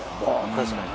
確かにね。